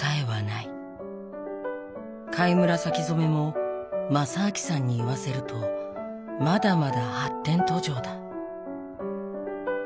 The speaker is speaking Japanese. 貝紫染めも正明さんに言わせるとまだまだ発展途上だ。